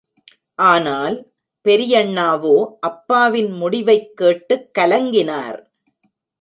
ஆனால், பெரியண்ணாவோ அப்பாவின் முடிவைக் கேட்டுக் கலங்கினார்.